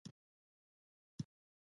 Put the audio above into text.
ما وویل د کښتۍ یو څه پیسې به اوس درکړم.